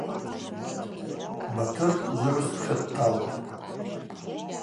Батыр жвыгӏвсквша дталтӏ.